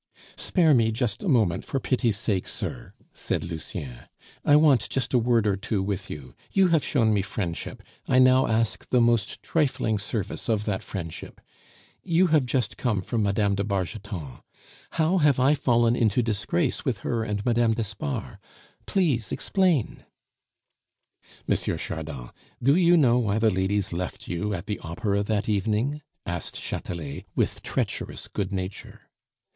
"Spare me just a moment for pity's sake, sir," said Lucien; "I want just a word or two with you. You have shown me friendship, I now ask the most trifling service of that friendship. You have just come from Mme. de Bargeton; how have I fallen into disgrace with her and Mme. d'Espard? please explain." "M. Chardon, do you know why the ladies left you at the Opera that evening?" asked Chatelet, with treacherous good nature.